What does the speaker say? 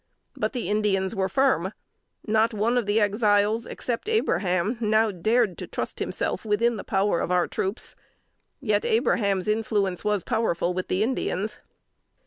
But the Indians were firm. Not one of the Exiles, except Abraham, now dared trust himself within the power of our troops; yet Abraham's influence was powerful with the Indians.